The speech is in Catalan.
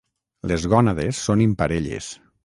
Les gònades són imparelles.